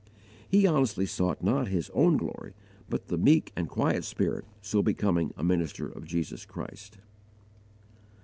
He honestly sought not his own glory, but had the meek and quiet spirit so becoming a minister of Jesus Christ.